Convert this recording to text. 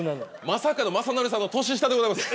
まさかの雅紀さんの年下です。